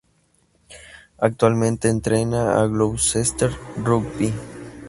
Actualmente entrena a Gloucester Rugby.